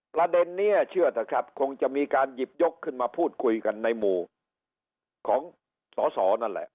ประเด็นนี้เชื่อเถอะครับคงจะมีการหยิบยกขึ้นมาพูดคุยกันในหมู่ของสอสอนั่นแหละ